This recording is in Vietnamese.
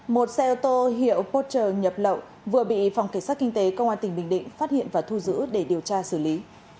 một xe ô tô hiệu poter nhập lậu vừa bị phòng cảnh sát kinh tế công an tỉnh bình định phát hiện và thu giữ để điều tra xử lý